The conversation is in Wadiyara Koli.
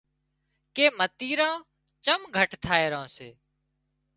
ڪي متريران چم گھٽ ٿائي ران سي